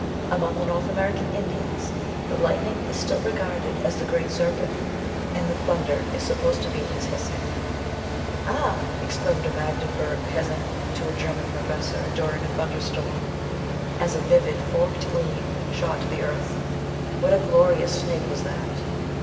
Among the North American Indians, the lightning is still regarded as the great serpent, and the thunder is supposed to be his hissing. ORIGIN OF THE WERE WOLF MYTH. 171 " Ah !" exclaimed a Magdeburg peasant to a German professor, during a thunder storm, as a vivid forked gleam shot to earth, "^vhat a glorious snake was that